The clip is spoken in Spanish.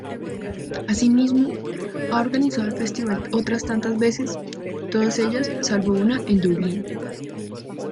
Asimismo, ha organizado el Festival otras tantas veces; todas ellas, salvo una, en Dublín.